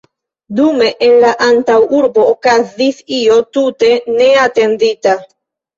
Dume en la antaŭurbo okazis io tute neatendita.